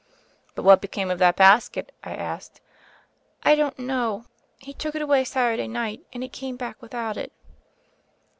"But what became of that basket?" I asked. "I don't know. He took it away Saturday night, and he came back without it."